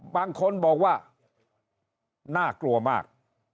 บางคนบอกว่าน่ากลัวมาก